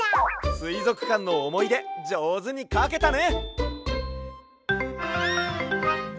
すいぞくかんのおもいでじょうずにかけたね！